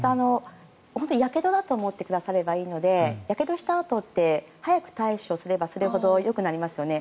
本当にやけどだと思ってくださればいいのでやけどしたあとって早く対処すればするほどよくなりますよね。